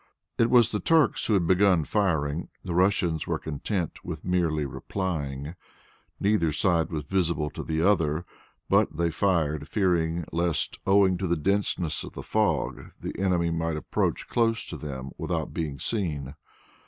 It was the Turks who had begun firing; the Russians were content with merely replying. Neither side was visible to the other, but they fired, fearing lest, owing to the denseness of the fog, the enemy might approach close to them without being seen.